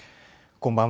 こんばんは。